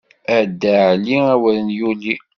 A Dda Ɛli awren yuli.